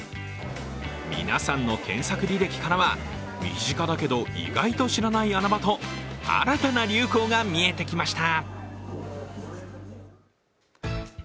皆さんの検索履歴からは身近だけど意外と知らない穴場と新たな流行が見えてきました。